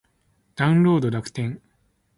ダウンロード楽天